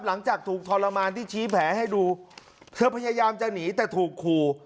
หลังจากถูกทรมานที่ชี้แผลให้ดูเธอพยายามจะหนีแต่ถูกขู่